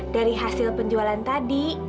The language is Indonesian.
dari hasil penjualan tadi